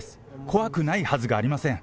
怖くないはずがありません。